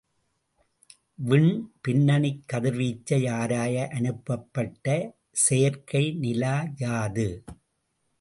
விண் பின்னணிக் கதிர்வீச்சை ஆராய அனுப்பப்பட்ட செயற்கைநிலா யாது?